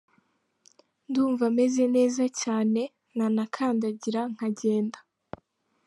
Ndumva meze neza cyane, nanakandagira nkagenda.